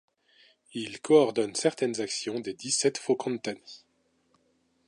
Ils coordonnent certaines actions des dix-sept fokontany.